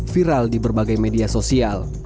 viral di berbagai media sosial